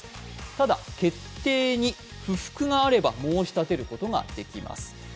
ただ決定に不服があれば申し立てることができます。